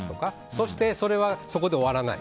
そしてそれはそこで終わらない。